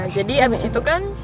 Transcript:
jadi abis itu kan